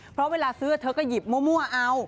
เพราะเวลาซื้อเธอก็หยิบมั่วเอา